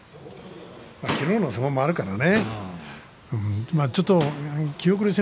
きのうの相撲もあるからね